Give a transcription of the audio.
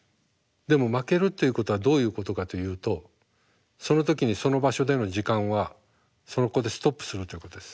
でも負けるっていうことはどういうことかというとその時にその場所での時間はそこでストップするということです。